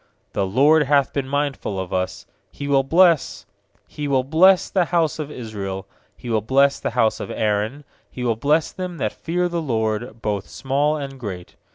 "The LORD hath been mindful of us, He will bless — He will bless the house of Israel; He will bless the house of Aaron. 13He will bless them that fear the LORD, Both small and great.